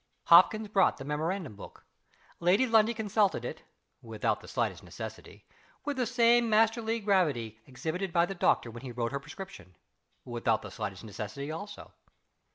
Hopkins brought the memorandum book. Lady Lundie consulted it (without the slightest necessity), with the same masterly gravity exhibited by the doctor when he wrote her prescription (without the slightest necessity also).